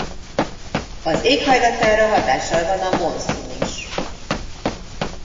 Az éghajlatára hatással van a monszun is.